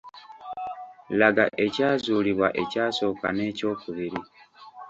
Laga ekyazuulibwa ekyasooka n’ekyokubiri